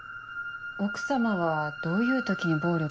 奥様はどういう時に暴力を？